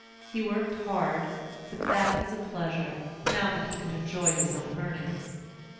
He worked hard, but that was a pleasure, now that he could enjoy his own earnings.